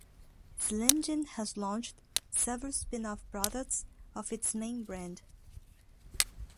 Slim Jim has launched several spin-off products of its main brand.